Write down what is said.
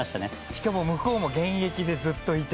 しかも向こうも現役でずっといて。